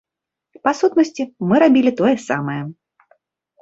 Па сутнасці, мы рабілі тое самае.